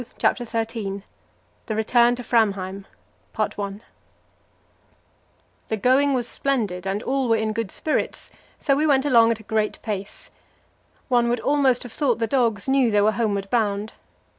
CHAPTER XIII The Return to Framheim The going was splendid and all were in good spirits, so we went along at a great pace. One would almost have thought the dogs knew they were homeward bound.